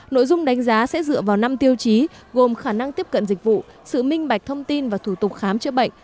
nội dung đánh giá sẽ dựa vào năm tiêu chí gồm khả năng tiếp cận dịch vụ sự minh bạch thông tin và thủ tục khám chữa bệnh